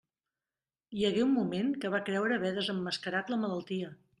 Hi hagué un moment que va creure haver desemmascarat la malaltia.